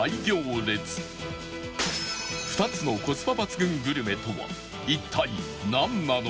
２つのコスパ抜群グルメとは一体なんなのか？